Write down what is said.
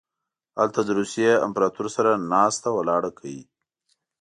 هلته له روسیې امپراطور سره ناسته ولاړه کوي.